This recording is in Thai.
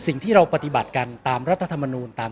ก็ต้องทำอย่างที่บอกว่าช่องคุณวิชากำลังทำอยู่นั่นนะครับ